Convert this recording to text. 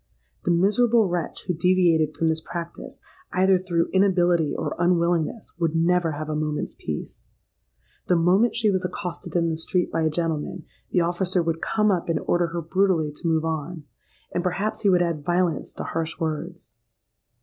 The miserable wretch who deviated from this practice, either through inability or unwillingness, would never have a moment's peace. The moment she was accosted in the street by a gentleman, the officer would come up and order her brutally to move on; and perhaps he would add violence to harsh words.